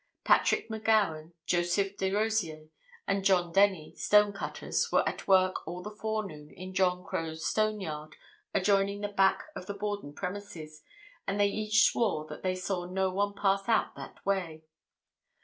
Patrick McGowan, Joseph Desrosiers and John Denny, stone cutters, were at work all the forenoon in John Crowe's stone yard adjoining and back of the Borden premises, and they each swore that they saw no one pass out that way.